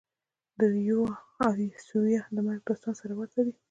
د یویا او ثویا د مرګ داستان سره ورته وي.